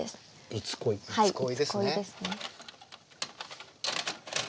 「いつ恋」ですね。